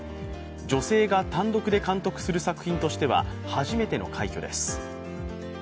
女性が単独で監督する作品としては初めての快挙です。